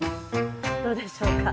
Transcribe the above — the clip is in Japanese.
どうでしょうか？